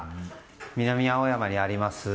南青山にあります